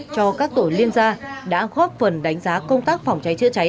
cho các tổ liên gia đã góp phần đánh giá công tác phòng cháy chữa cháy